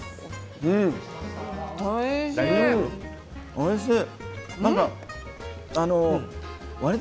おいしい。